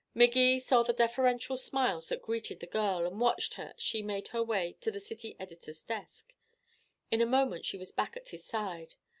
Magee saw the deferential smiles that greeted the girl, and watched her as she made her way to the city editor's desk. In a moment she was back at his side.